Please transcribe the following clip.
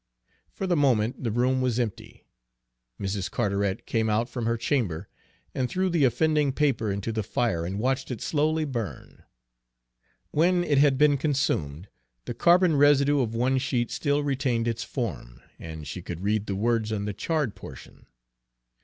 For the moment the room was empty. Mrs. Carteret came out from her chamber and threw the offending paper into the fire, and watched it slowly burn. When it had been consumed, the carbon residue of one sheet still retained its form, and she could read the words on the charred portion.